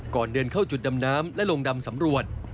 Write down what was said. ก่อนเดินเข้าจุดดำน้ำและลงดำสำรวจ